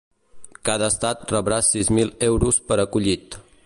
Cada estat rebrà sis mil euros per acollit.